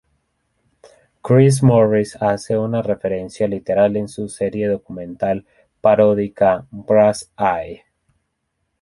Chris Morris hace una referencia literal en su serie documental paródica "Brass eye".